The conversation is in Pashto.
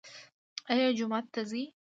ایا جومات ته ځئ؟